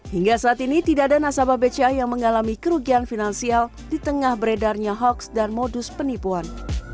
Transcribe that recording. hingga saat ini tidak ada nasabah bca yang mengalami kerugian finansial di tengah beredarnya hoaks dan modus penipuan